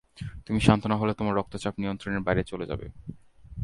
তুমি শান্ত না হলে তোমার রক্তচাপ নিয়ন্ত্রণের বাইরে চলে যাবে।